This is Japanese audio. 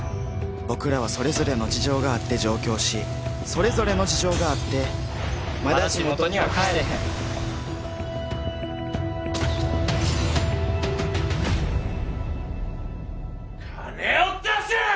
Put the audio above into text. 僕らはそれぞれの事情があって上京しそれぞれの事情があってまだジモトには帰れへん金を出せ！